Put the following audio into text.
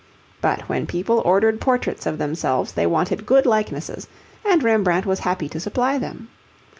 But when people ordered portraits of themselves they wanted good likenesses, and Rembrandt was happy to supply them.